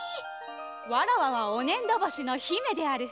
わらわはおねんどぼしのひめである。